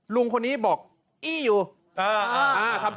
ลุงคนนี้บอกอี้อยู่